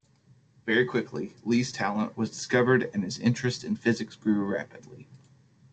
Very quickly, Lee's talent was discovered and his interest in physics grew rapidly.